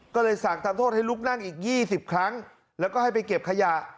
ก็เลยสั่งทำโทษให้ลุกนั่งอีก๒๐ครั้งแล้วก็ให้ไปเก็บขยะ